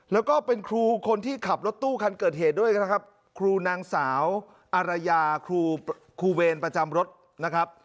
แล้วก็เป็นครูคนที่ขับรถตู้คันเกิดเหตุด้วยนะครับครูนางสาวอารยาครูครูเวรประจำรถนะครับ